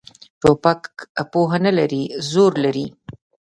توپک پوهه نه لري، زور لري.